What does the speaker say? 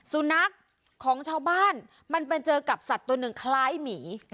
สุนัขของชาวบ้านมันไปเจอกับสัตว์ตัวหนึ่งคล้ายหมี